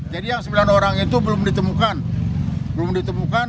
jadi yang sembilan orang itu belum ditemukan